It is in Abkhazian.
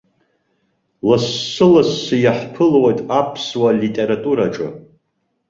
Лассы-лассы иаҳԥылоит аԥсуа литератураҿы.